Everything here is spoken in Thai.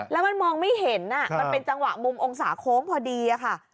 แล้วมันมองไม่เห็นมันเป็นจังหวะมุมองศาโค้งพอดีค่ะ